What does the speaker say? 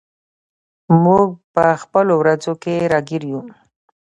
موږ په خپلو ورځو کې راګیر یو.